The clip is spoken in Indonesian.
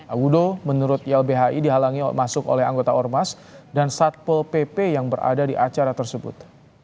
audo menurut ylbhi dihalangi masuk oleh anggota ormas dan satpol pp yang berada di acara tersebut